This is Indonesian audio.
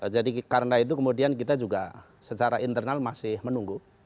jadi karena itu kemudian kita juga secara internal masih menunggu